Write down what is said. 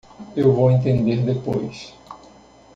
Eu vou entender depois